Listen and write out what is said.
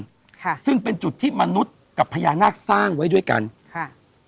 ค่ะซึ่งเป็นจุดที่มนุษย์กับพญานาคสร้างไว้ด้วยกันค่ะ